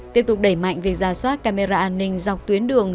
tiếp tục đẩy mạnh việc ra soát camera an ninh dọc tuyến đường